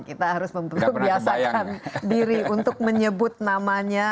kita harus membiasakan diri untuk menyebut namanya